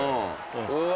うわ！